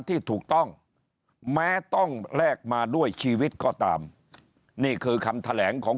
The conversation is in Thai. ที่ถูกต้องแม้ต้องแลกมาด้วยชีวิตก็ตามนี่คือคำแถลงของ